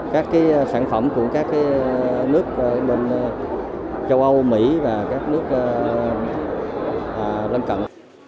các sản phẩm của các nước bên châu âu mỹ và các nước lân cận